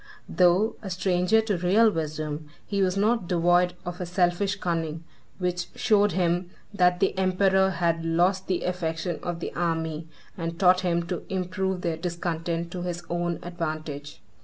Though a stranger to real wisdom, he was not devoid of a selfish cunning, which showed him that the emperor had lost the affection of the army, and taught him to improve their discontent to his own advantage.